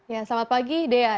ya selamat pagi dea